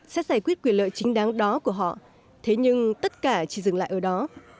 sẽ giải quyết quyền lợi chính đáng đó của họ thế nhưng tất cả chỉ dừng lại ở đó